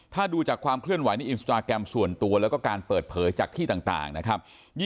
ถ้าดูจากความเคลื่อนไหวในอินสตราแกรมส่วนตัวแล้วก็การเปิดเผยจากที่ต่างนะครับ